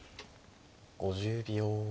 ５０秒。